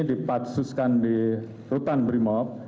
dipaksuskan di rutan brimob